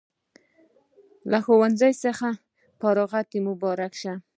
له ښوونځي څخه فراغت د مبارک شه